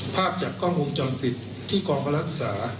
ภาพจากกล้องวงจรปิดที่กองก็รักษา